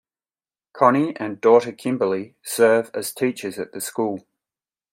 Connie and daughter Kimberley serve as teachers at the school.